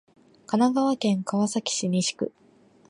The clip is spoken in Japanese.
神奈川県川崎市西区